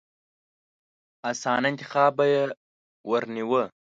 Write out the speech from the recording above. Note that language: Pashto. اسانه انتخاب به يې ورنيوه.